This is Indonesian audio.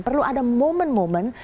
perlu ada momen momen